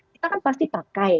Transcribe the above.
kita kan pasti pakai